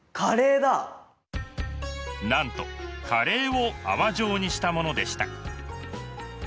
なんとカレーを泡状にしたものでした。